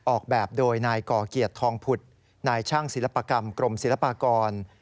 ออกแบบโดยนายก่อเกียรติทองผุดนายช่างศิลปกรรมกรมศิลปากร